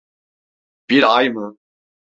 Bir ay mı?